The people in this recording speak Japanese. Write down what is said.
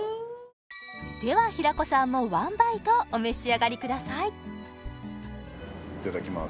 では平子さんもワンバイトお召し上がりくださいいただきます